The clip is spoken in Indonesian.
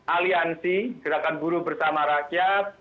aliansi gerakan buruh bersama rakyat